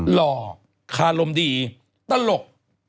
หล่อคารมดีตลก